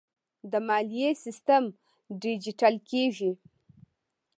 د مالیې سیستم ډیجیټل کیږي